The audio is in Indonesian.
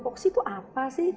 foksi tuh apa sih